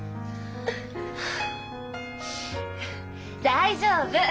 大丈夫！